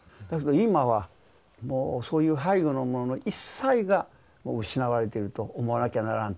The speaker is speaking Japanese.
だけど今はそういう背後のもの一切が失われていると思わなきゃならんと。